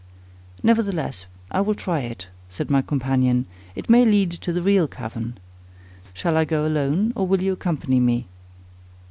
"Nevertheless, I will try it," said my companion; "it may lead to the real cavern. Shall I go alone, or will you accompany me?"